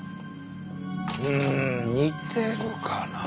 うーん似てるかな？